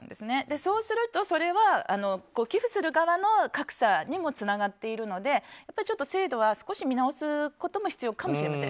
そうすると、それは寄付する側の格差にもつながっているので制度は少し見直すことも必要かもしれません。